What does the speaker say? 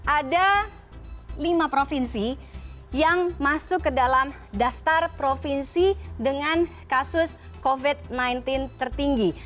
ada lima provinsi yang masuk ke dalam daftar provinsi dengan kasus covid sembilan belas tertinggi